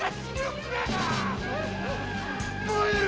燃える！